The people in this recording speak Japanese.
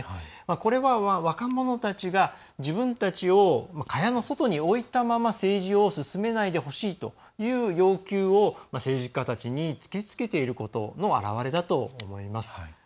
これは若者たちが自分たちを蚊帳の外に置いたまま政治を進めないでほしいという要求を政治家たちに突きつけていることの表れだと思います。